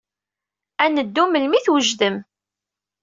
Ad neddu melmi ay t-wejdem.